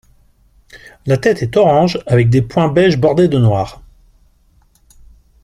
La tête est orange, avec des points beiges bordés de noir.